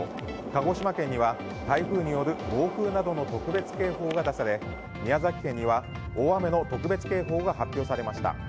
鹿児島県には台風による暴風などの特別警報が出され宮崎県には大雨の特別警報が発表されました。